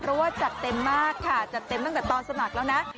เพราะว่าจัดเต็มมากค่ะจัดเต็มตั้งแต่ตอนสมัครแล้วนะ